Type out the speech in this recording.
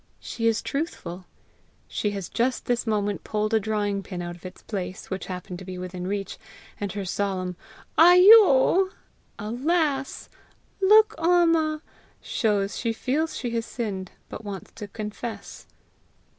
She is truthful. She has just this moment pulled a drawing pin out of its place, which happened to be within reach, and her solemn "Aiyo!" (Alas!) "Look, Amma!" shows she feels she has sinned, but wants to confess.